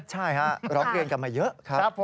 ใช่ร้องเกณฑ์กลับมาเยอะ